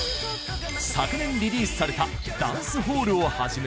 昨年リリースされた『ダンスホール』を始め